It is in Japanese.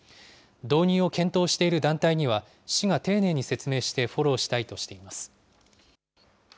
導入を検討している団体には、市が丁寧に説明してフォローしたいとしています。